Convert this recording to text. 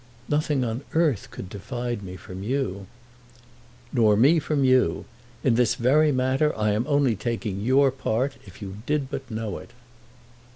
"Nothing on earth could divide me from you." "Nor me from you. In this very matter I am only taking your part, if you did but know it."